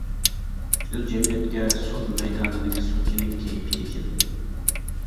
پۈتكۈل جەمئىيەتكە سوت مەيدانىدىكى سوتچىنىڭ كەيپى چېچىلدى.